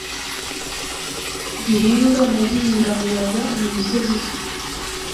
Gihinga na Gihindamuyaga ni imisozi izwi